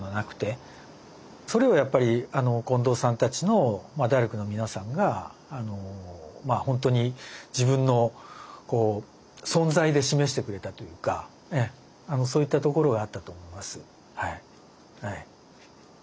それをやっぱり近藤さんたちのダルクの皆さんが本当に自分の存在で示してくれたというかそういったところがあったと思います。